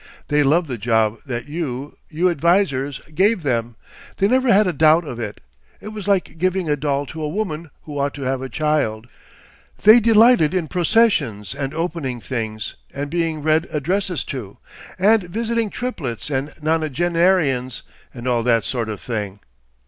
They loved the job that you, you advisers, gave them; they never had a doubt of it. It was like giving a doll to a woman who ought to have a child. They delighted in processions and opening things and being read addresses to, and visiting triplets and nonagenarians and all that sort of thing.